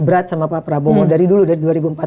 berat sama pak prabowo dari dulu dari dua ribu empat belas